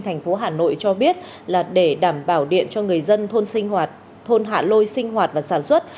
thành phố hà nội cho biết là để đảm bảo điện cho người dân thôn hạ lôi sinh hoạt và sản xuất